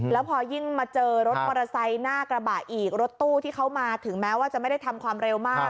แล้วพอยิ่งมาเจอรถมอเตอร์ไซค์หน้ากระบะอีกรถตู้ที่เขามาถึงแม้ว่าจะไม่ได้ทำความเร็วมาก